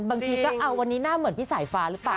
บางทีก็เอาวันนี้หน้าเหมือนพี่สายฟ้าหรือเปล่า